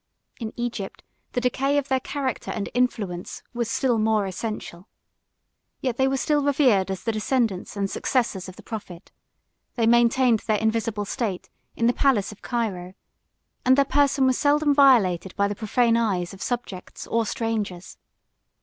In Egypt the decay of their character and influence was still more essential. Yet they were still revered as the descendants and successors of the prophet; they maintained their invisible state in the palace of Cairo; and their person was seldom violated by the profane eyes of subjects or strangers.